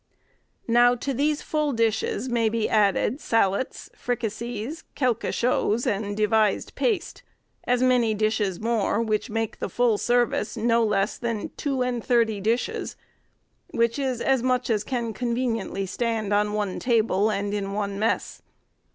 Now, to these full dishes may be added, sallets, fricases, quelque choses, and devised paste, as many dishes more, which make the full service no less than two and thirty dishes; which is as much as can conveniently stand on one table, and in one mess.